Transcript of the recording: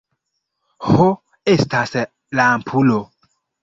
Ho, estas lampulo.